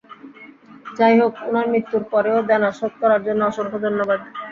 যাইহোক, উনার মৃত্যুর পরেও দেনা শোধ করার জন্য অসংখ্য ধন্যবাদ।